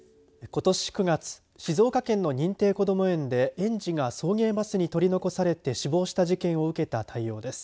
ことし９月静岡県の認定こども園で園児が送迎バスに取り残されて死亡した事件を受けた対応です。